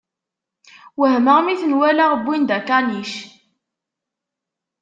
Wehmeɣ mi ten-walaɣ wwin-d akanic.